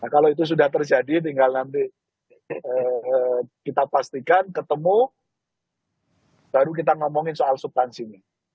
kalau itu sudah terjadi tinggal nanti kita pastikan ketemu baru kita ngomongin soal subtansinya